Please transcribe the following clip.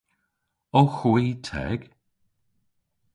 Owgh hwi teg?